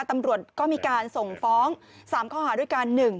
ตำรวจก็มีการส่งฟ้อง๓ข้อหาด้วยกัน